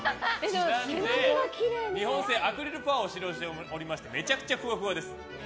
日本製でアクリル製の革を使っておりましてめちゃくちゃふわふわです。